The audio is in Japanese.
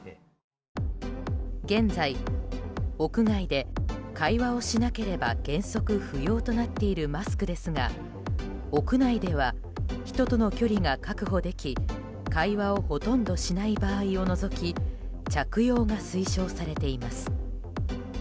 現在、屋外で会話をしなければ原則不要となっているマスクですが、屋内では人との距離が確保でき会話をほとんどしない場合を除き着用が推奨されています。